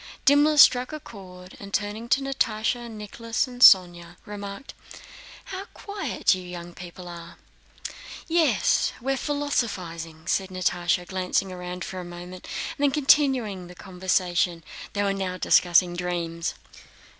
Dimmler struck a chord and, turning to Natásha, Nicholas, and Sónya, remarked: "How quiet you young people are!" "Yes, we're philosophizing," said Natásha, glancing round for a moment and then continuing the conversation. They were now discussing dreams.